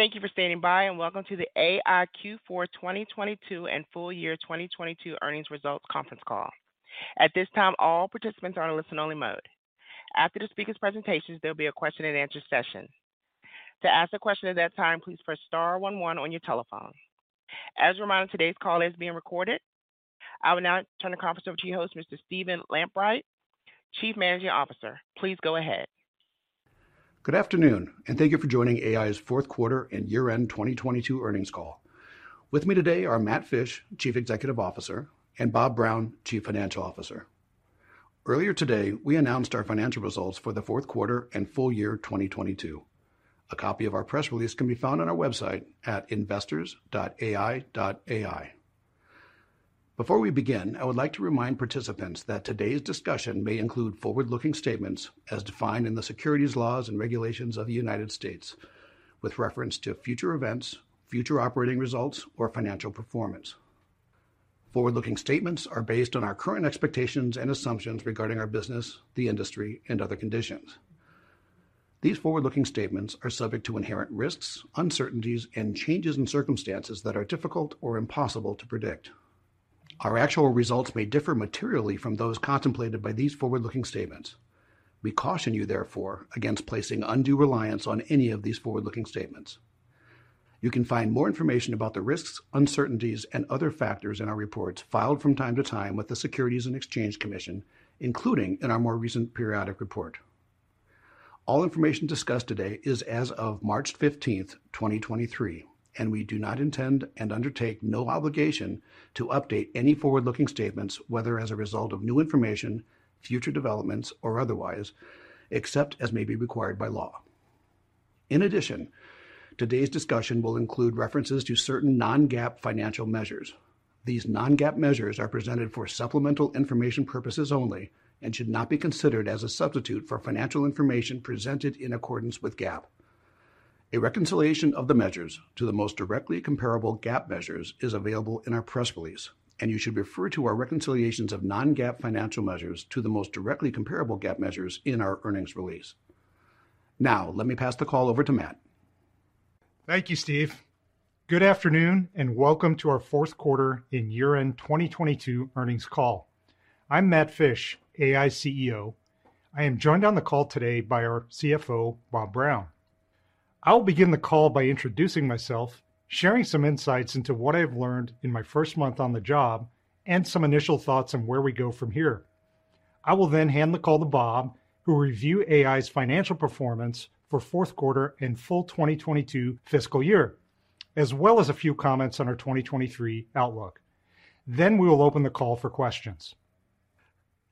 Thank you for standing by, welcome to the AEye Q4 2022 and Full Year 2022 Earnings Results Conference Call. At this time, all participants are in listen only mode. After the speakers' presentations, there'll be a question and answer session. To ask a question at that time, please press star one one on your telephone. As a reminder, today's call is being recorded. I will now turn the conference over to your host, Mr. Stephen Lambright, Chief Managing Officer. Please go ahead. Good afternoon, and thank you for joining AEye's Q4 and year-end 2022 Earnings Call. With me today are Matt Fisch, Chief Executive Officer, and Bob Brown, Chief Financial Officer. Earlier today, we announced our financial results for the Q4 and full year 2022. A copy of our press release can be found on our website at investors.aeye.ai. Before we begin, I would like to remind participants that today's discussion may include forward-looking statements as defined in the securities laws and regulations of the U.S. with reference to future events, future operating results or financial performance. Forward-looking statements are based on our current expectations and assumptions regarding our business, the industry, and other conditions. These forward-looking statements are subject to inherent risks, uncertainties and changes in circumstances that are difficult or impossible to predict. Our actual results may differ materially from those contemplated by these forward-looking statements. We caution you, therefore, against placing undue reliance on any of these forward-looking statements. You can find more information about the risks, uncertainties, and other factors in our reports filed from time to time with the Securities and Exchange Commission, including in our more recent periodic report. All information discussed today is as of March 15th, 2023. We do not intend and undertake no obligation to update any forward-looking statements, whether as a result of new information, future developments, or otherwise, except as may be required by law. In addition, today's discussion will include references to certain non-GAAP financial measures. These non-GAAP measures are presented for supplemental information purposes only and should not be considered as a substitute for financial information presented in accordance with GAAP. A reconciliation of the measures to the most directly comparable GAAP measures is available in our press release. You should refer to our reconciliations of non-GAAP financial measures to the most directly comparable GAAP measures in our earnings release. Now, let me pass the call over to Matt. Thank you, Steve. Good afternoon, and welcome to our Q4 and year-end 2022 earnings call. I'm Matt Fisch, AEye CEO. I am joined on the call today by our CFO, Bob Brown. I will begin the call by introducing myself, sharing some insights into what I've learned in my first month on the job, and some initial thoughts on where we go from here. I will then hand the call to Bob, who will review AEye's financial performance for Q4 and full 2022 fiscal year, as well as a few comments on our 2023 outlook. We will open the call for questions.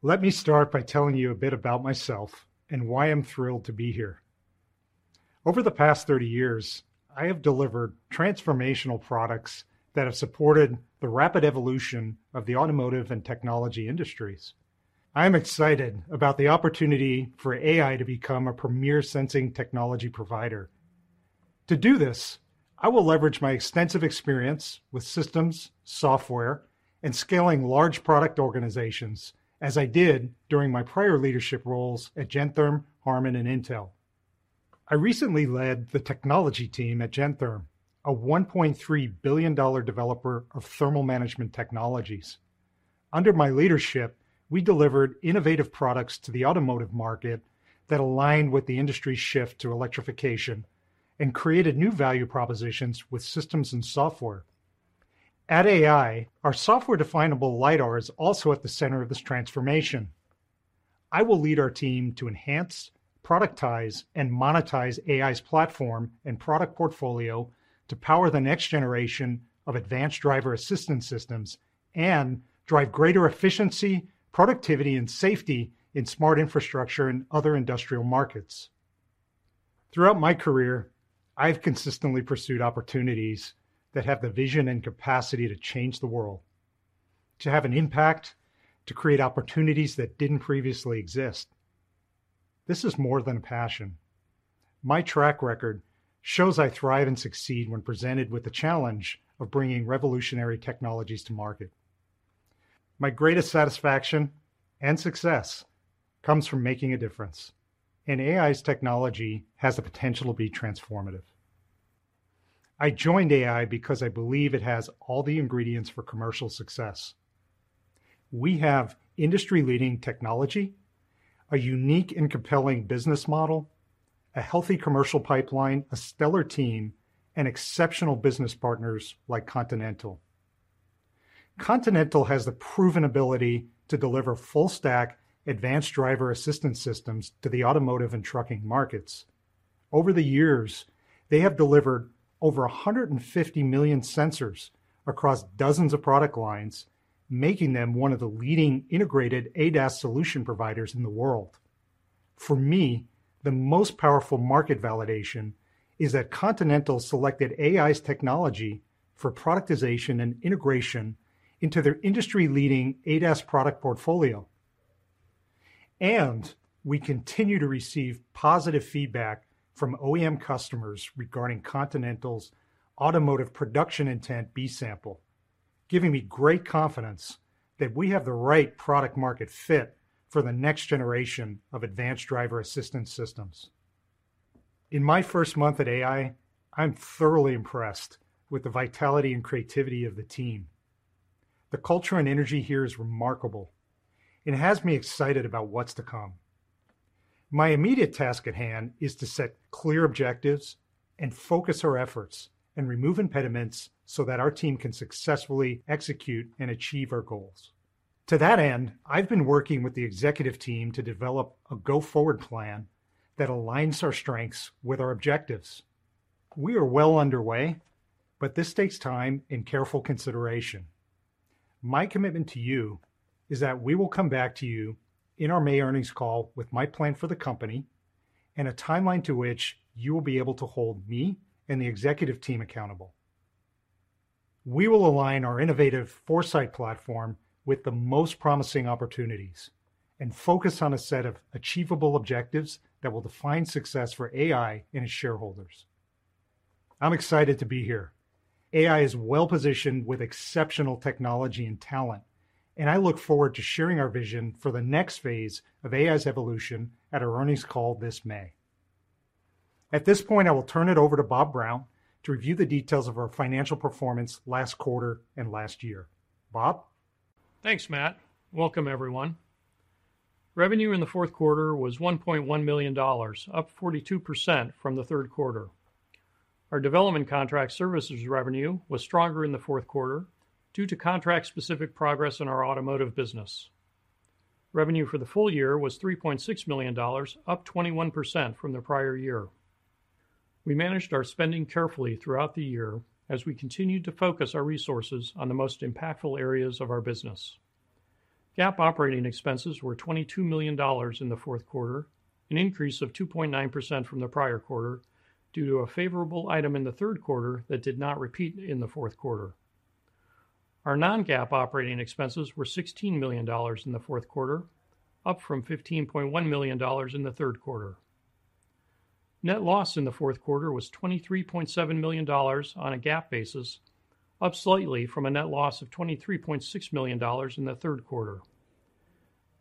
Let me start by telling you a bit about myself and why I'm thrilled to be here. Over the past 30 years, I have delivered transformational products that have supported the rapid evolution of the automotive and technology industries. I'm excited about the opportunity for AEye to become a premier sensing technology provider. To do this, I will leverage my extensive experience with systems, software, and scaling large product organizations, as I did during my prior leadership roles at Gentherm, Harman, and Intel. I recently led the technology team at Gentherm, a $1.3 billion developer of thermal management technologies. Under my leadership, we delivered innovative products to the automotive market that aligned with the industry's shift to electrification and created new value propositions with systems and software. At AEye, our software definable LIDAR is also at the center of this transformation. I will lead our team to enhance, productize, and monetize AEye's platform and product portfolio to power the next generation of advanced driver-assistance systems and drive greater efficiency, productivity, and safety in smart infrastructure and other industrial markets. Throughout my career, I've consistently pursued opportunities that have the vision and capacity to change the world, to have an impact, to create opportunities that didn't previously exist. This is more than a passion. My track record shows I thrive and succeed when presented with the challenge of bringing revolutionary technologies to market. My greatest satisfaction and success comes from making a difference. AEye's technology has the potential to be transformative. I joined AEye because I believe it has all the ingredients for commercial success. We have industry-leading technology, a unique and compelling business model, a healthy commercial pipeline, a stellar team, and exceptional business partners like Continental. Continental has the proven ability to deliver full stack advanced driver-assistance systems to the automotive and trucking markets. Over the years, they have delivered over 150 million sensors across dozens of product lines, making them one of the leading integrated ADAS solution providers in the world. For me, the most powerful market validation is that Continental selected AEye's technology for productization and integration into their industry-leading ADAS product portfolio. We continue to receive positive feedback from OEM customers regarding Continental's automotive production intent B sample, giving me great confidence that we have the right product market fit for the next generation of advanced driver assistance systems. In my first month at AEye, I'm thoroughly impressed with the vitality and creativity of the team. The culture and energy here is remarkable. It has me excited about what's to come. My immediate task at hand is to set clear objectives and focus our efforts and remove impediments so that our team can successfully execute and achieve our goals. To that end, I've been working with the executive team to develop a go forward plan that aligns our strengths with our objectives. We are well underway, but this takes time and careful consideration. My commitment to you is that we will come back to you in our May earnings call with my plan for the company and a timeline to which you will be able to hold me and the executive team accountable. We will align our innovative 4Sight platform with the most promising opportunities and focus on a set of achievable objectives that will define success for AEye and its shareholders. I'm excited to be here. AEye is well positioned with exceptional technology and talent, and I look forward to sharing our vision for the next phase of AEye's evolution at our earnings call this May. At this point, I will turn it over to Bob Brown to review the details of our financial performance last quarter and last year. Bob? Thanks, Matt. Welcome, everyone. Revenue in the Q4 was $1.1 million, up 42% from the Q3. Our development contract services revenue was stronger in the Q4 due to contract specific progress in our automotive business. Revenue for the full year was $3.6 million, up 21% from the prior year. We managed our spending carefully throughout the year as we continued to focus our resources on the most impactful areas of our business. GAAP operating expenses were $22 million in the Q4, an increase of 2.9% from the prior quarter due to a favorable item in the Q3 that did not repeat in the Q4. Our non-GAAP operating expenses were $16 million in the Q4, up from $15.1 million in the Q3. Net loss in the Q4 was $23.7 million on a GAAP basis, up slightly from a net loss of $23.6 million in the Q3.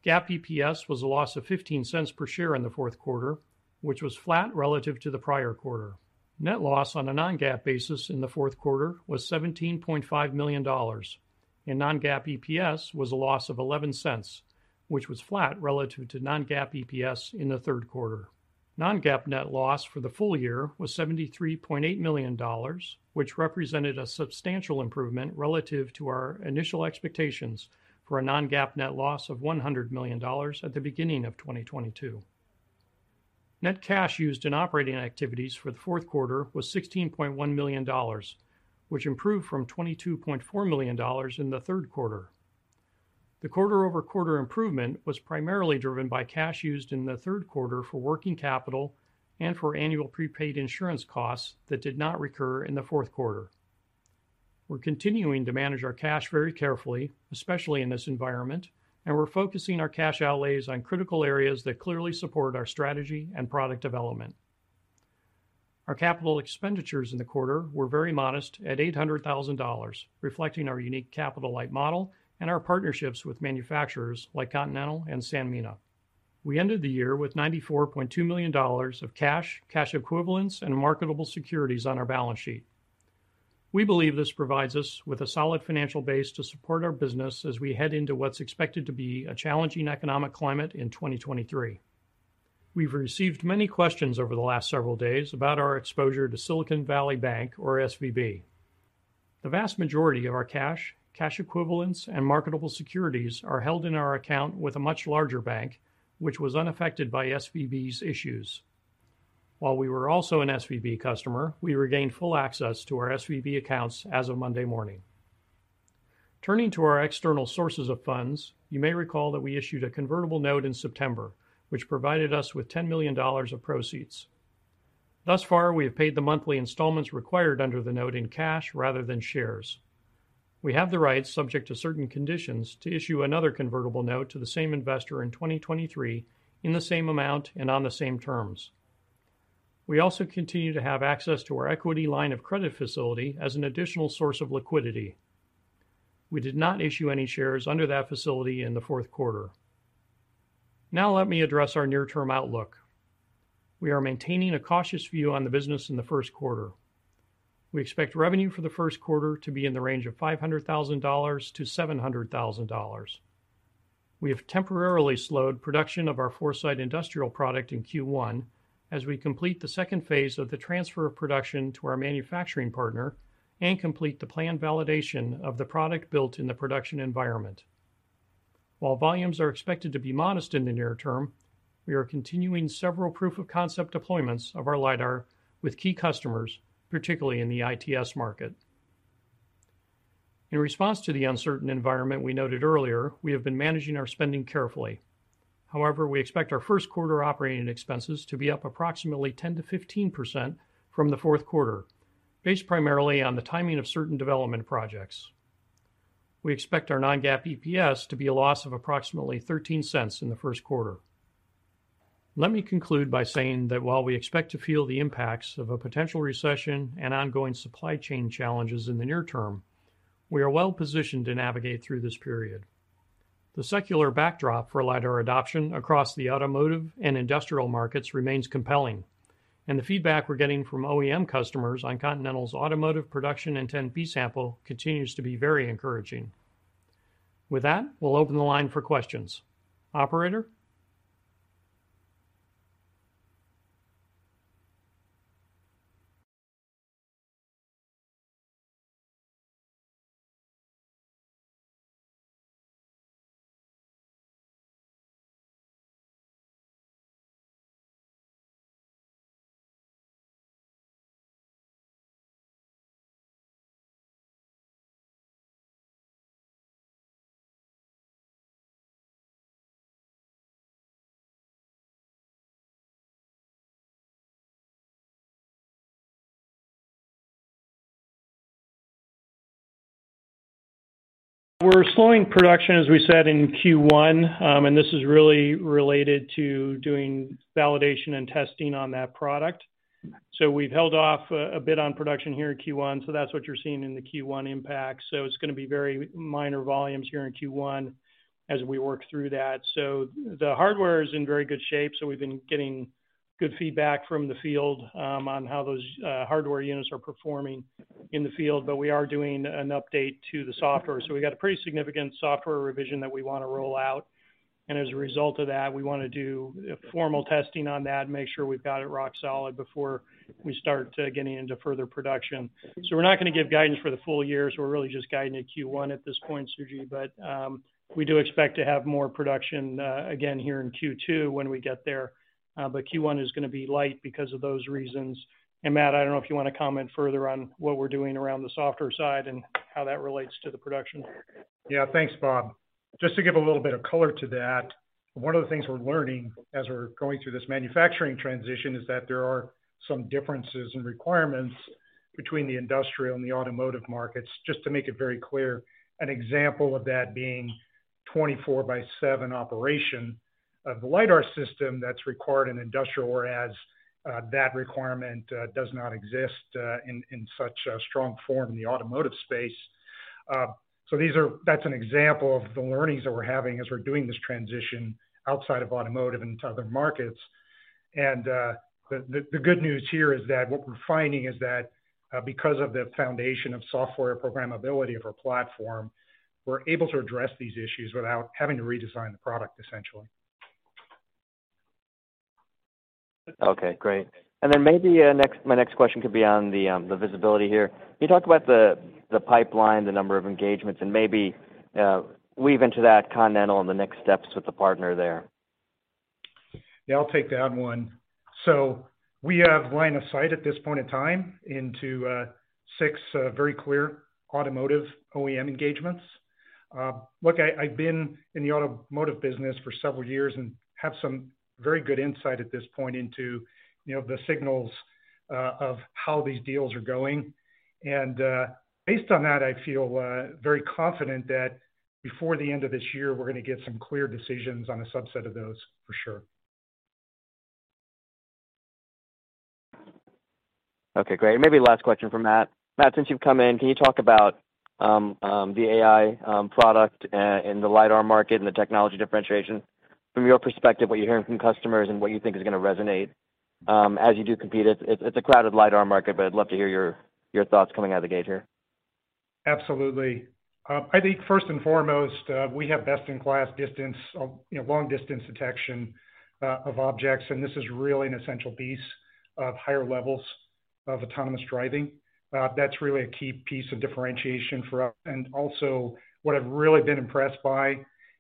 GAAP EPS was a loss of $0.15 per share in the Q4, which was flat relative to the prior quarter. Net loss on a non-GAAP basis in the Q4 was $17.5 million, and non-GAAP EPS was a loss of $0.11, which was flat relative to non-GAAP EPS in the Q3. Non-GAAP net loss for the full year was $73.8 million, which represented a substantial improvement relative to our initial expectations for a non-GAAP net loss of $100 million at the beginning of 2022. Net cash used in operating activities for the Q4 was $16.1 million, which improved from $22.4 million in the Q3. The quarter-over-quarter improvement was primarily driven by cash used in the Q3 for working capital and for annual prepaid insurance costs that did not recur in the Q4. We're continuing to manage our cash very carefully, especially in this environment, and we're focusing our cash outlays on critical areas that clearly support our strategy and product development. Our capital expenditures in the quarter were very modest at $800,000, reflecting our unique capital light model and our partnerships with manufacturers like Continental and Sanmina. We ended the year with $94.2 million of cash equivalents, and marketable securities on our balance sheet. We believe this provides us with a solid financial base to support our business as we head into what's expected to be a challenging economic climate in 2023. We've received many questions over the last several days about our exposure to Silicon Valley Bank or SVB. The vast majority of our cash equivalents, and marketable securities are held in our account with a much larger bank, which was unaffected by SVB's issues. While we were also an SVB customer, we regained full access to our SVB accounts as of Monday morning. Turning to our external sources of funds, you may recall that we issued a convertible note in September, which provided us with $10 million of proceeds. Thus far, we have paid the monthly installments required under the note in cash rather than shares. We have the right, subject to certain conditions, to issue another convertible note to the same investor in 2023 in the same amount and on the same terms. We also continue to have access to our equity line of credit facility as an additional source of liquidity. We did not issue any shares under that facility in the Q4. Let me address our near-term outlook. We are maintaining a cautious view on the business in the Q1. We expect revenue for the Q1 to be in the range of $500,000-$700,000. We have temporarily slowed production of our 4Sight industrial product in Q1 as we complete the second phase of the transfer of production to our manufacturing partner and complete the planned validation of the product built in the production environment. While volumes are expected to be modest in the near term, we are continuing several proof of concept deployments of our LIDAR with key customers, particularly in the ITS market. In response to the uncertain environment we noted earlier, we have been managing our spending carefully. We expect our Q1 operating expenses to be up approximately 10%-15% from the Q4, based primarily on the timing of certain development projects. We expect our non-GAAP EPS to be a loss of approximately $0.13 in the Q1. Let me conclude by saying that while we expect to feel the impacts of a potential recession and ongoing supply chain challenges in the near term, we are well-positioned to navigate through this period. The secular backdrop for LIDAR adoption across the automotive and industrial markets remains compelling, and the feedback we're getting from OEM customers on Continental's automotive production and 10 B sample continues to be very encouraging. With that, we'll open the line for questions. Operator? We're slowing production, as we said, in Q1, and this is really related to doing validation and testing on that product. We've held off a bit on production here in Q1. That's what you're seeing in the Q1 impact. It's gonna be very minor volumes here in Q1 as we work through that. The hardware is in very good shape, so we've been getting good feedback from the field, on how those hardware units are performing in the field. We are doing an update to the software. We got a pretty significant software revision that we wanna roll out. As a result of that, we wanna do a formal testing on that, make sure we've got it rock solid before we start getting into further production. We're not gonna give guidance for the full year. We're really just guiding at Q1 at this point, Suji. We do expect to have more production again here in Q2 when we get there. Q1 is gonna be light because of those reasons. Matt, I don't know if you wanna comment further on what we're doing around the software side and how that relates to the production. Yeah. Thanks, Bob. Just to give a little bit of color to that, one of the things we're learning as we're going through this manufacturing transition is that there are some differences in requirements between the industrial and the automotive markets. Just to make it very clear, an example of that being twenty-four by seven operation of the LIDAR system that's required in industrial, whereas that requirement does not exist in such a strong form in the automotive space. That's an example of the learnings that we're having as we're doing this transition outside of automotive into other markets. The good news here is that what we're finding is that because of the foundation of software programmability of our platform, we're able to address these issues without having to redesign the product, essentially. Okay, great. Maybe my next question could be on the visibility here. Can you talk about the pipeline, the number of engagements, and maybe weave into that Continental and the next steps with the partner there? Yeah, I'll take that one. We have line of sight at this point in time into 6 very clear automotive OEM engagements. Look, I've been in the automotive business for several years and have some very good insight at this point into, you know, the signals of how these deals are going. Based on that, I feel very confident that before the end of this year, we're gonna get some clear decisions on a subset of those, for sure. Okay, great. Maybe last question for Matt. Matt, since you've come in, can you talk about the AEye product in the LIDAR market and the technology differentiation? From your perspective, what you're hearing from customers and what you think is gonna resonate as you do compete. It's a crowded LIDAR market. I'd love to hear your thoughts coming out of the gate here. Absolutely. I think first and foremost, we have best-in-class distance of, you know, long distance detection of objects. This is really an essential piece of higher levels of autonomous driving. That's really a key piece of differentiation for us. Also what I've really been impressed by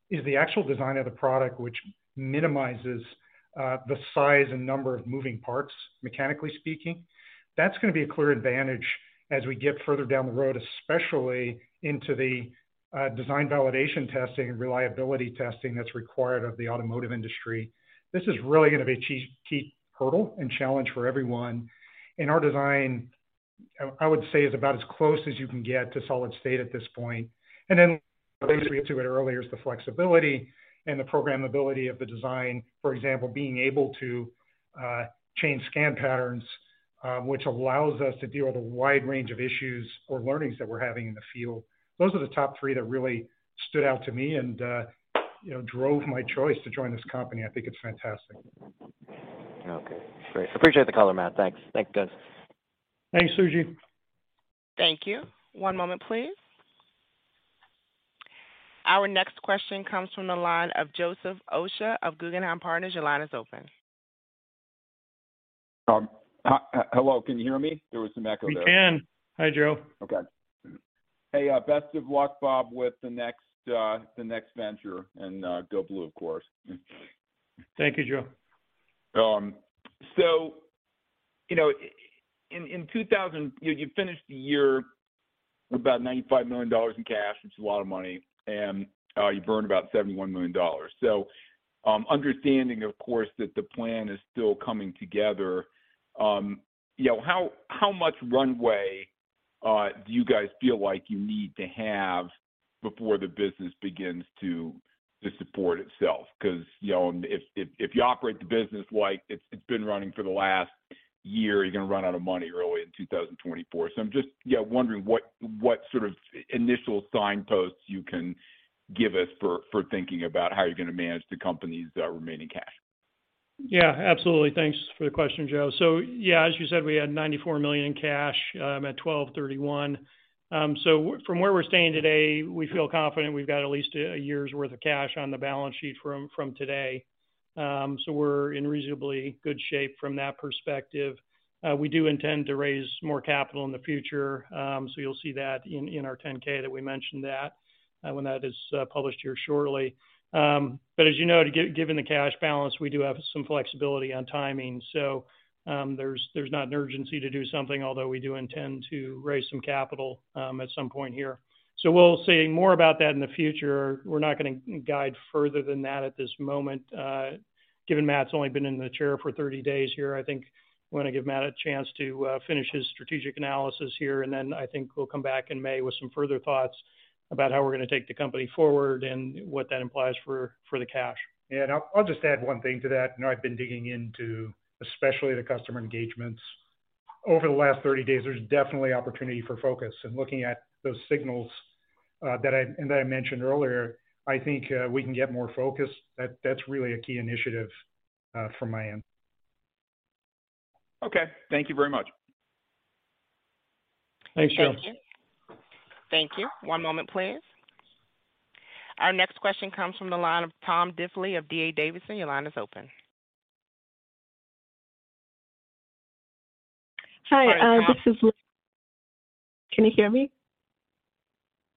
is the actual design of the product, which minimizes the size and number of moving parts, mechanically speaking. That's gonna be a clear advantage as we get further down the road, especially into the design validation testing and reliability testing that's required of the automotive industry. This is really gonna be a key hurdle and challenge for everyone. Our design, I would say, is about as close as you can get to solid state at this point. Then we get to it earlier is the flexibility and the programmability of the design. For example, being able to change scan patterns, which allows us to deal with a wide range of issues or learnings that we're having in the field. Those are the top three that really stood out to me and, you know, drove my choice to join this company. I think it's fantastic. Okay, great. Appreciate the color, Matt. Thanks. Thanks, guys. Thanks, Suji Desilva. Thank you. One moment, please. Our next question comes from the line of Joseph Osha of Guggenheim Partners. Your line is open. Hi. Hello? Can you hear me? There was some echo there. We can. Hi, Joe. Okay. Hey, best of luck, Bob, with the next, the next venture. Go Blue, of course. Thank you, Joe. you know, in 2000... You finished the year with about $95 million in cash. It's a lot of money. You burned about $71 million. understanding of course, that the plan is still coming together, you know, how much runway do you guys feel like you need to have before the business begins to support itself? Because, you know, if you operate the business like it's been running for the last year, you're gonna run out of money early in 2024. I'm just wondering what sort of initial signposts you can give us for thinking about how you're gonna manage the company's remaining cash. Absolutely. Thanks for the question, Joe. As you said, we had $94 million in cash at 12/31. From where we're standing today, we feel confident we've got at least a year's worth of cash on the balance sheet from today. You'll see that in our 10-K that we mentioned that when that is published here shortly. As you know, given the cash balance, we do have some flexibility on timing. There's not an urgency to do something, although we do intend to raise some capital at some point here. We'll say more about that in the future. We're not gonna guide further than that at this moment. Given Matt's only been in the chair for 30 days here, I think we're gonna give Matt a chance to finish his strategic analysis here, and then I think we'll come back in May with some further thoughts about how we're gonna take the company forward and what that implies for the cash. Yeah. I'll just add one thing to that. You know, I've been digging into, especially the customer engagements. Over the last 30 days, there's definitely opportunity for focus. Looking at those signals that I mentioned earlier, I think we can get more focus. That's really a key initiative from my end. Okay. Thank you very much. Thanks, Joe. Thank you. Thank you. One moment, please. Our next question comes from the line of Tom Diffely of D.A. Davidson. Your line is open. Hi. Go ahead, Tom. This is Linda. Can you hear me?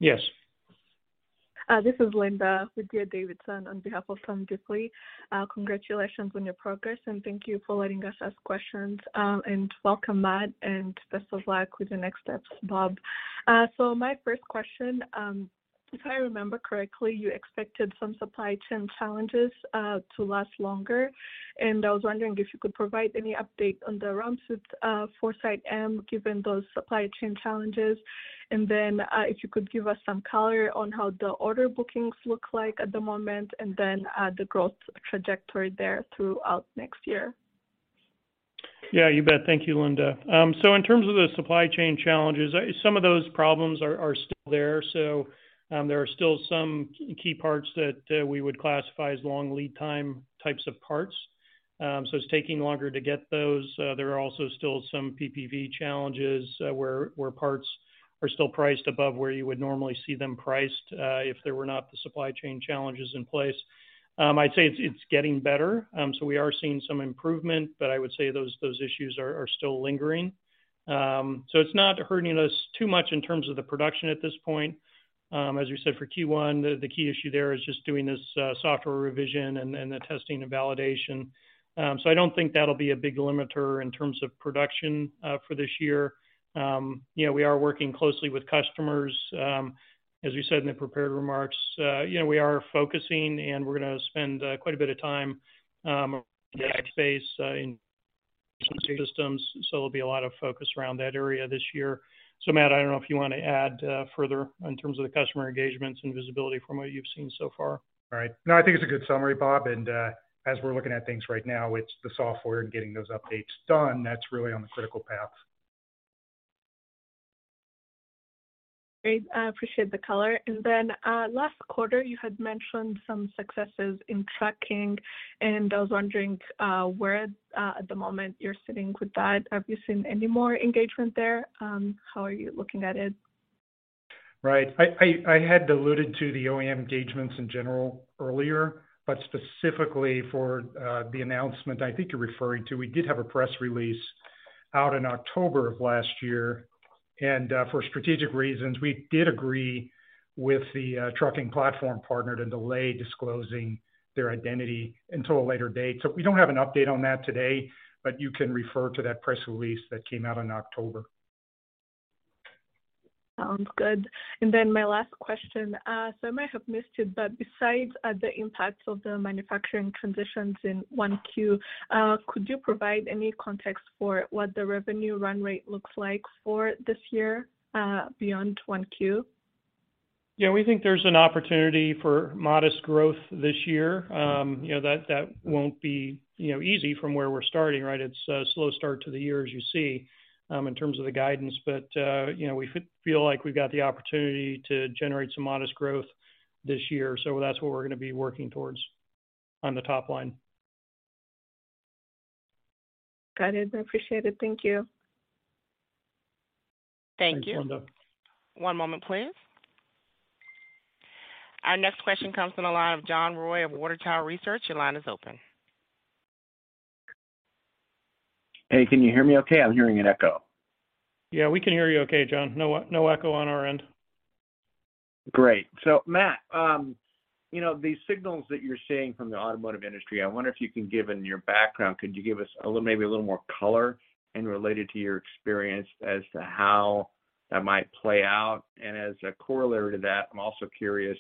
Yes. This is Linda with D.A. Davidson on behalf of Tom Diffely. Congratulations on your progress, thank you for letting us ask questions. Welcome, Matt, and best of luck with your next steps, Bob. My first question, if I remember correctly, you expected some supply chain challenges to last longer, and I was wondering if you could provide any update on the ramp with 4Sight M given those supply chain challenges. If you could give us some color on how the order bookings look like at the moment the growth trajectory there throughout next year. Yeah, you bet. Thank you, Linda. In terms of the supply chain challenges, some of those problems are still there. There are still some key parts that we would classify as long lead time types of parts. It's taking longer to get those. There are also still some PPV challenges, where parts are still priced above where you would normally see them priced, if there were not the supply chain challenges in place. I'd say it's getting better. We are seeing some improvement, but I would say those issues are still lingering. It's not hurting us too much in terms of the production at this point. As we said, for Q1, the key issue there is just doing this software revision and the testing and validation. I don't think that'll be a big limiter in terms of production for this year. You know, we are working closely with customers. As we said in the prepared remarks, you know, we are focusing, and we're gonna spend quite a bit of time in that space in systems, so it'll be a lot of focus around that area this year. Matt, I don't know if you wanna add further in terms of the customer engagements and visibility from what you've seen so far. All right. No, I think it's a good summary, Bob. As we're looking at things right now, it's the software and getting those updates done that's really on the critical path. Great. I appreciate the color. Last quarter, you had mentioned some successes in trucking, and I was wondering, where, at the moment you're sitting with that. Have you seen any more engagement there? How are you looking at it? Right. I had alluded to the OEM engagements in general earlier, but specifically for the announcement I think you're referring to, we did have a press release out in October of last year. For strategic reasons, we did agree with the trucking platform partner to delay disclosing their identity until a later date. We don't have an update on that today, but you can refer to that press release that came out in October. Sounds good. My last question. I might have missed it, but besides, the impacts of the manufacturing transitions in 1Q, could you provide any context for what the revenue run rate looks like for this year, beyond 1Q? Yeah, we think there's an opportunity for modest growth this year. you know, that won't be, you know, easy from where we're starting, right? It's a slow start to the year, as you see, in terms of the guidance, but, you know, we feel like we've got the opportunity to generate some modest growth this year. That's what we're gonna be working towards on the top line. Got it. I appreciate it. Thank you. Thank you. Thanks, Linda. One moment, please. Our next question comes from the line of John Roy of Water Tower Research. Your line is open. Hey, can you hear me okay? I'm hearing an echo. Yeah, we can hear you okay, John. No, no echo on our end. Great. Matt, you know, the signals that you're seeing from the automotive industry, I wonder if you can give in your background, could you give us a little, maybe a little more color and related to your experience as to how that might play out? As a corollary to that, I'm also curious.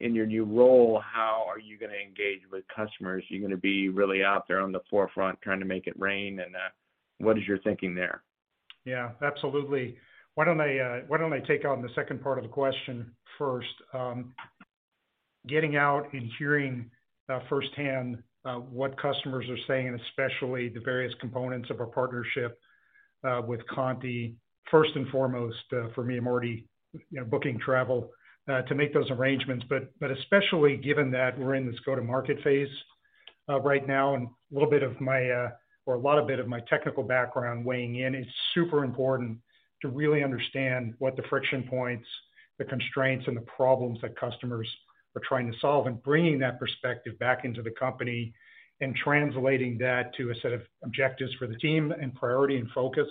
In your new role, how are you going to engage with customers? Are you going to be really out there on the forefront trying to make it rain and that? What is your thinking there? Yeah, absolutely. Why don't I, why don't I take on the second part of the question first. Getting out and hearing firsthand what customers are saying, and especially the various components of our partnership with Conti, first and foremost, for me and Morty, you know, booking travel to make those arrangements. Especially given that we're in this go-to-market phase right now, and a little bit of my, or a lot of bit of my technical background weighing in, it's super important to really understand what the friction points, the constraints, and the problems that customers are trying to solve. Bringing that perspective back into the company and translating that to a set of objectives for the team and priority and focus,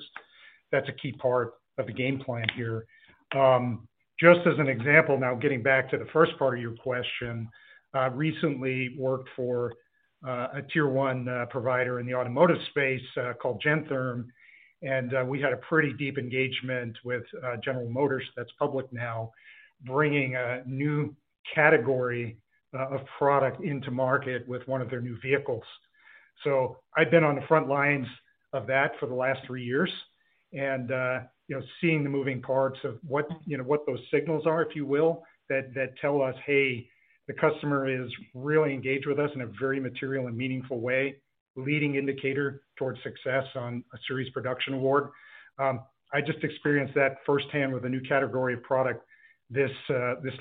that's a key part of the game plan here. Just as an example, now getting back to the first part of your question, I recently worked for a Tier 1 provider in the automotive space, called Gentherm. We had a pretty deep engagement with General Motors that's public now, bringing a new category of product into market with one of their new vehicles. I've been on the front lines of that for the last three years. You know, seeing the moving parts of what, you know, what those signals are, if you will, that tell us, "Hey, the customer is really engaged with us in a very material and meaningful way. "Leading indicator towards success on a series production award. I just experienced that firsthand with a new category of product this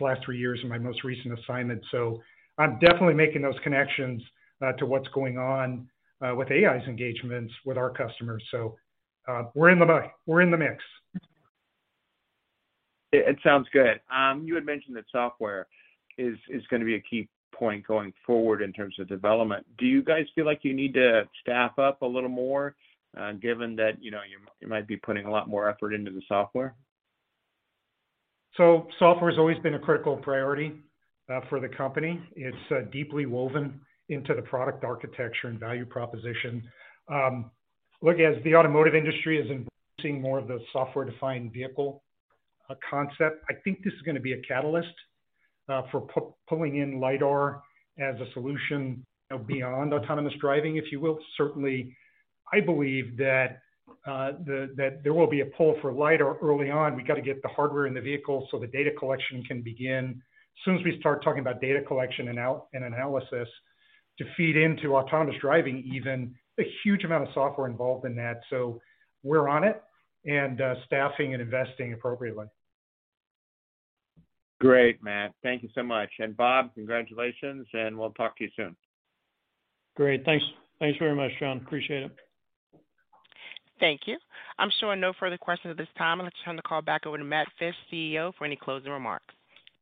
last three years in my most recent assignment. I'm definitely making those connections, to what's going on, with AEye's engagements with our customers. We're in the money. We're in the mix. It sounds good. You had mentioned that software is gonna be a key point going forward in terms of development. Do you guys feel like you need to staff up a little more, given that, you know, you might be putting a lot more effort into the software? Software's always been a critical priority for the company. It's deeply woven into the product architecture and value proposition. Look, as the automotive industry is embracing more of the software-defined vehicle concept, I think this is gonna be a catalyst for pulling in LIDAR as a solution beyond autonomous driving, if you will. Certainly, I believe that there will be a pull for LIDAR early on. We got to get the hardware in the vehicle so the data collection can begin. As soon as we start talking about data collection and analysis to feed into autonomous driving, even the huge amount of software involved in that. We're on it and staffing and investing appropriately. Great, Matt. Thank you so much. Bob, congratulations, and we'll talk to you soon. Great. Thanks. Thanks very much, John. Appreciate it. Thank you. I'm showing no further questions at this time. Let's turn the call back over to Matt Fisch, CEO, for any closing remarks.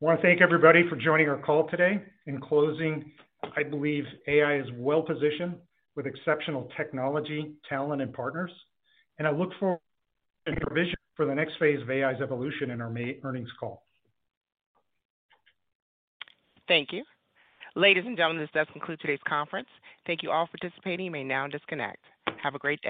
I want to thank everybody for joining our call today. In closing, I believe AEye is well positioned with exceptional technology, talent, and partners. I look forward to provision for the next phase of AEye's evolution in our earnings call. Thank you. Ladies and gentlemen, this does conclude today's conference. Thank you all for participating. You may now disconnect. Have a great day.